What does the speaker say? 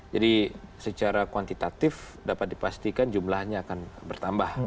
jadi secara kuantitatif dapat dipastikan jumlahnya akan bertambah